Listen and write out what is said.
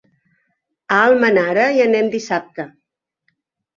A Almenara hi anem dissabte.